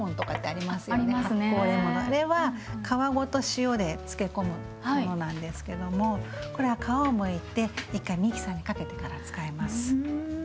あれは皮ごと塩で漬け込むものなんですけどもこれは皮をむいて一回ミキサーにかけてから使います。